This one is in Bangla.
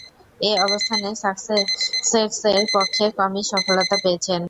এ অবস্থানে সাসেক্সের পক্ষে কমই সফলতা পেয়েছেন।